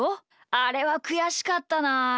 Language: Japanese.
あれはくやしかったなあ。